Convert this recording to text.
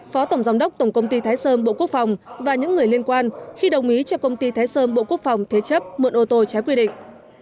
phó tổng giám đốc tổng công ty thái sơn bộ quốc phòng và những người liên quan khi đồng ý cho công ty thái sơn bộ quốc phòng thế chấp mượn ô tô trái quy định